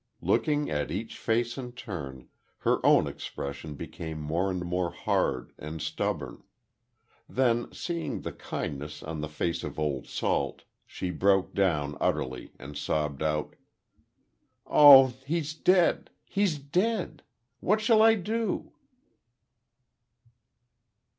Looking at each face in turn, her own expression became more and more hard and stubborn. Then, seeing the kindness on the face of Old Salt, she broke down utterly and sobbed out. "Oh, he's dead—he's dead! what shall I do?"